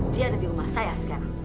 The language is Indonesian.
dia ada di rumah saya sekarang